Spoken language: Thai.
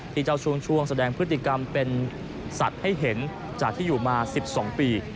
ที่เจ้าช่วงแสดงพฤติกรรมเป็นสัตว์ให้เห็นจากที่อยู่มา๑๒ปี